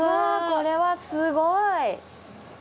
これはすごい！